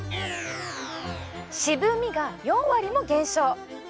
渋みが４割も減少。